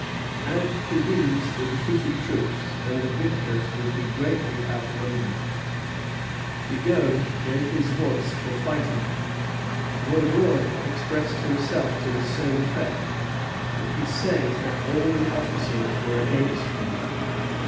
Add to these the defeated troops, and the victors would be greatly outnumbered. Bigot gave his voice for fighting. Vaudreuil expressed himself to the same effect; but he says that all the officers were against him.